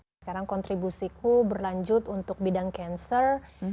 sekarang kontribusiku berlanjut untuk bidang cancer